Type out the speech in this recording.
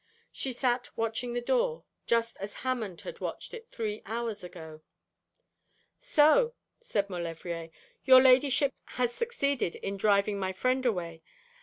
She sat watching the door, just as Hammond had watched it three hours ago. 'So,' said Maulevrier, 'your ladyship has succeeded in driving my friend away.